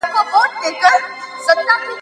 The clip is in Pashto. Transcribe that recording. د علم درسونه باید د ټولنې اړتیاوې په نظر کې ونیسي.